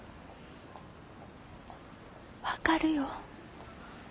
分かるよ。